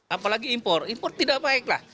apalagi impor impor tidak baik lah